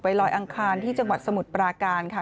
ลอยอังคารที่จังหวัดสมุทรปราการค่ะ